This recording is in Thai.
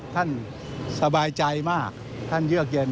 สบายใจมากท่านเยือกเย็น